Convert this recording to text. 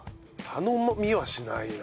頼みはしないな。